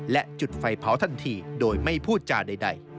และจุดไฟเผาทันทีโดยไม่พูดจาใด